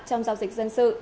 trong giao dịch dân sự